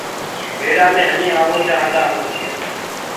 ميڙآ مي همي جآوو چآهندآ هونٚ۔